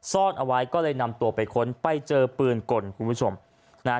ซ่อนเอาไว้ก็เลยนำตัวไปค้นไปเจอปืนกลคุณผู้ชมนะฮะ